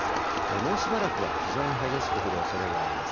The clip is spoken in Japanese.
もうしばらくは非常に激しく降るおそれがあります。